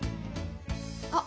あっ